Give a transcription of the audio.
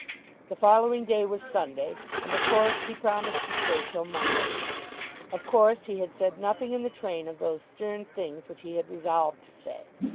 The following day was Sunday, and of course he promised to stay till Monday. Of course he had said nothing in the train of those stern things which he had resolved to say.